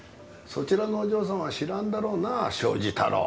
そちらのお嬢さんは知らんだろうな東海林太郎。